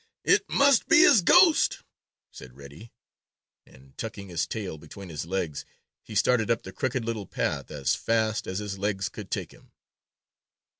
"It must be his ghost!" said Reddy, and tucking his tail between his legs, he started up the Crooked Little Path as fast as his legs could take him.